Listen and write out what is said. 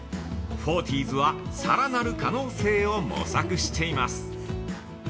フォーティーズは、さらなる可能性を模索しています。